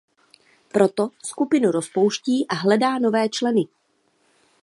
Proto skupinu rozpouští a hledá nové členy.